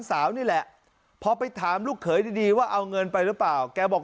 สาวนี่แหละพอไปถามลูกเขยดีว่าเอาเงินไปหรือเปล่าแกบอก